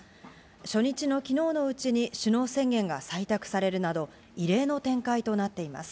初日のきのうのうちに首脳宣言が採択されるなど、異例の展開となっています。